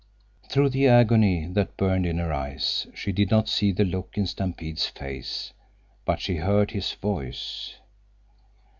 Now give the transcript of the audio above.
Through the agony that burned in her eyes she did not see the look in Stampede's face. But she heard his voice.